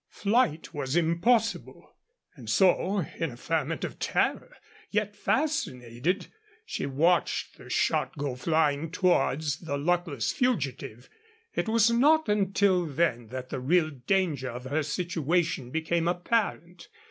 Flight was impossible, and so, in a ferment of terror, yet fascinated, she watched the shot go flying towards the luckless fugitive. It was not until then that the real danger of her situation became apparent.